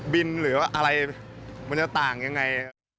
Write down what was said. บินหรือว่าอะไรมันจะต่างยังไง